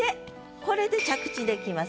これで着地できます。